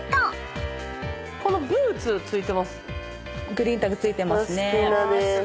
グリーンタグ付いてますね。